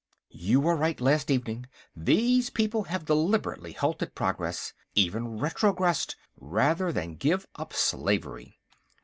"You were right, last evening. These people have deliberately halted progress, even retrogressed, rather than give up slavery."